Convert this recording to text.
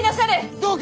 どうか！